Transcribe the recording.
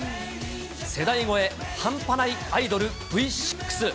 世代超え半端ないアイドル、Ｖ６。